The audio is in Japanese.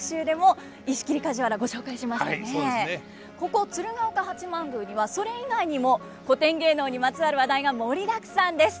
ここ鶴岡八幡宮にはそれ以外にも古典芸能にまつわる話題が盛りだくさんです。